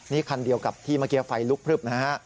นี่คันเดียวกับที่เมื่อกี้ไฟลุกพลึบนะฮะ